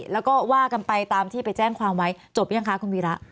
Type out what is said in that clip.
แล้วก็ว่ากันไปตามที่ไปแจ้งความไว้จบยังคะคุณวีระ